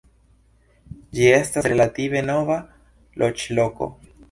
Ĝi estas relative nova loĝloko.